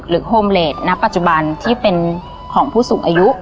โฮมเลสณปัจจุบันที่เป็นของผู้สูงอายุ